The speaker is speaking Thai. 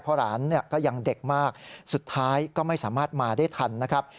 เพราะหลานก็ยังเด็กมากสุดท้ายก็ไม่สามารถมาได้ทันนะครับ